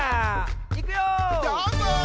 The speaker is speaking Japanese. いくよ！